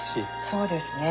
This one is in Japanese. そうですね。